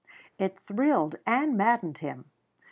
It thrilled and maddened him.